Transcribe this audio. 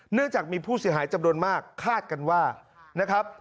เนื่องจากมีผู้เสียหายจำนวนมากคาดกันว่านะครับ